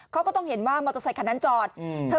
เขาก็ต้องเห็นว่ามอเตอร์ไซคันนั้นจอด